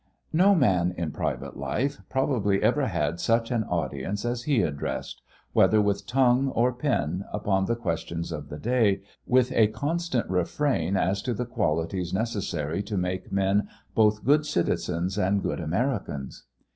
No man in private life probably ever had such an audience as he addressed, whether with tongue or pen, upon the questions of the day, with a constant refrain as to the qualities necessary to make men both good citizens and good Americans.